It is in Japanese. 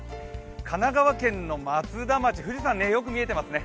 神奈川県の松田町、富士山きれいに見えてますね。